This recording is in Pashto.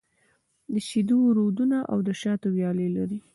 د شېدو رودونه او د شاتو ويالې لري.